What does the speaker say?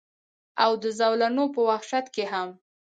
او د زولنو پۀ وحشت کښې هم